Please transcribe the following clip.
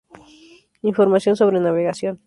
Información sobre navegación